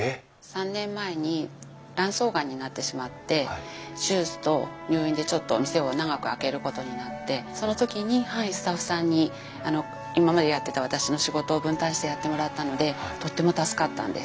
３年前に卵巣がんになってしまって手術と入院でちょっと店を長く空けることになってその時にスタッフさんに今までやってた私の仕事を分担してやってもらったのでとっても助かったんです。